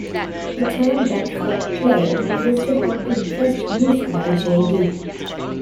The term "Bradford Clay" appears to have been first used by J. de.